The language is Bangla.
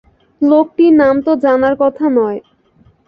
লোকটির নাম তো জানার কথা নয়।